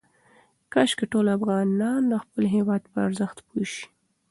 کاشکې ټول افغانان د خپل هېواد په ارزښت پوه شي.